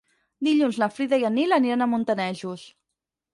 Dilluns na Frida i en Nil aniran a Montanejos.